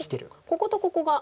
こことここが。